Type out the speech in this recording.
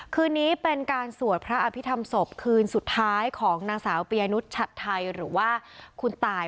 คืนนี้เป็นการสวดพระอภิษฐรรมศพคืนสุดท้ายของนางสาวปียนุษยชัดไทยหรือว่าคุณตาย